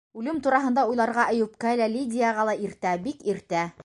Үлем тураһында уйларға Әйүпкә лә, Лидияға ла иртә, бик иртә!